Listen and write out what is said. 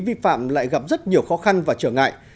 vi phạm lại gặp rất nhiều khó khăn và trở ngại